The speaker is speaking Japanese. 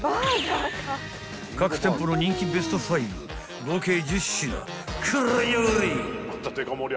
［各店舗の人気ベスト５合計１０品食らいやがれ］